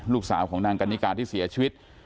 ลูกสาวของนางกันนิกาที่เสียชีวิต